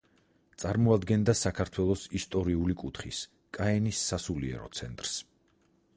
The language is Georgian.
წარმოადგენდა საქართველოს ისტორიული კუთხის, კაენის სასულიერო ცენტრს.